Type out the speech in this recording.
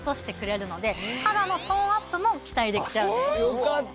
よかった。